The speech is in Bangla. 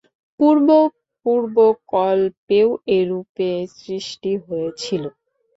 পূর্ব পূর্ব কল্পেও এরূপে সৃষ্টি হয়েছিল।